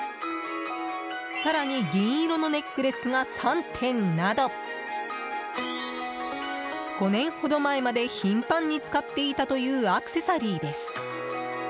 更に銀色のネックレスが３点など５年ほど前まで頻繁に使っていたというアクセサリーです。